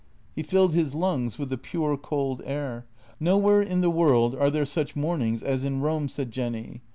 He filled his lungs with the pure, cold air. " Nowhere in the world, are there such mornings as in Rome," said Jenny.